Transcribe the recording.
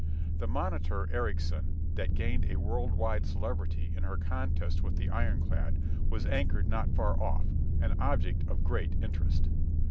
The monitor Ericsson, that gained a world wide celebrity in her contest with the iron clad, was anchored not far off, an object of great interest.